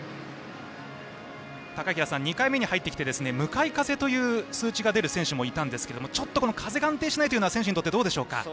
高平さん、２回目に入ってきて向かい風という数値が出る選手がいたんですが風が安定しないのは選手にとって、どうでしょうか？